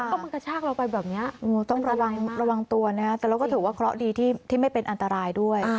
ก็มากระชากเราไปแบบนี้ต้องระวังระวังตัวนะแต่เราก็ถือว่าเคราะห์ดีที่ไม่เป็นอันตรายด้วย